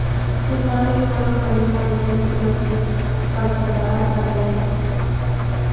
Sus padres fueron Domingo León y María Baltasara Cárdenas.